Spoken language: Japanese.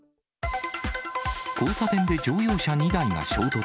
交差点で乗用車２台が衝突。